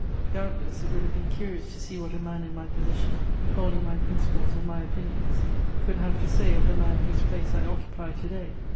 "Doubtless it would have been curious to see what a man in my position, holding my principles and my opinions, could have to say of the man whose place I occupy to day.